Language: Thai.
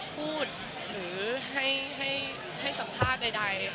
พูดหรือให้สัมภาษณ์ใด